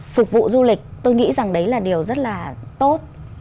phục vụ du lịch tôi nghĩ rằng đấy là điều rất là tốt